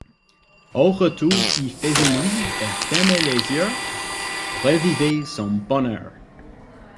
Au retour, il faisait nuit, elle fermait les yeux, revivait son bonheur.